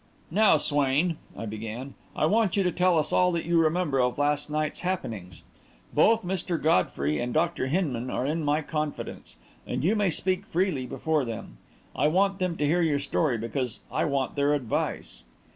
"Now, Swain," I began, "I want you to tell us all that you remember of last night's happenings. Both Mr. Godfrey and Dr. Hinman are in my confidence and you may speak freely before them. I want them to hear your story, because I want their advice."